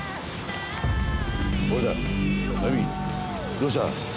どうした？